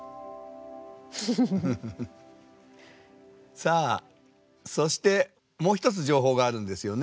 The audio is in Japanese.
さあそしてもう一つ情報があるんですよね？